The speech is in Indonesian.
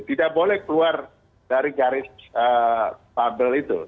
tidak boleh keluar dari garis bubble itu